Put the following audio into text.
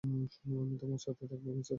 আমি তোমার সাথেই থাকব, মোসেস।